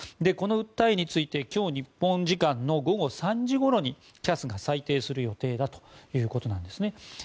この訴えについて今日、日本時間の午後３時ごろにＣＡＳが裁定する予定だということなんですね。